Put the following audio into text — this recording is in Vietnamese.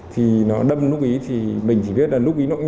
thì nó đâm nút bí thì mình chỉ biết là nút bí nó nhanh